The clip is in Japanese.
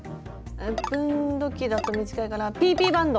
分度器だと短いからＰＰバンド！